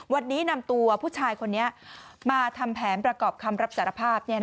วันนี้นำตัวผู้ชายคนนี้มาทำแผนประกอบคำรับสารภาพ